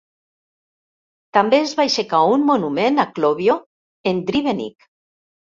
També es va aixecar un monument a Clovio en Drivenik.